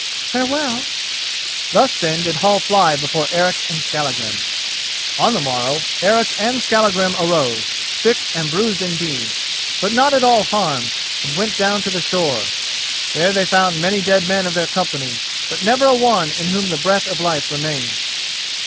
Farewell." Thus then did Hall fly before Eric and Skallagrim. On the morrow Eric and Skallagrim arose, sick and bruised indeed, but not at all harmed, and went down to the shore. There they found many dead men of their company, but never a one in whom the breath of life remained.